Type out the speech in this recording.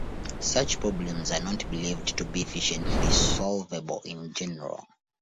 Such problems are not believed to be efficiently solvable in general.